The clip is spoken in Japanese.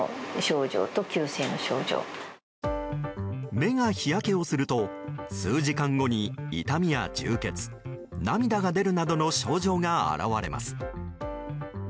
目が日焼けをすると数時間後に痛みや充血涙が出るなどの症状が現れます。